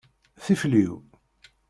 Tifliw.